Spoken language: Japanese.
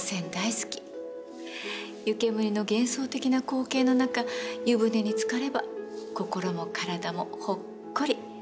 湯煙の幻想的な光景の中湯船につかれば心も体もほっこり。